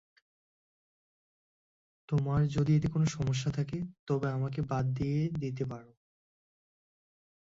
তোমার যদি এতে কোনো সমস্যা থাকে, তবে আমাকে বাদ দিয়ে দিতে পারো।